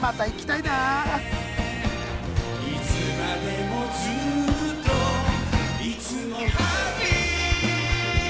「いつまでもずっといつもＨａｐｐｙ！」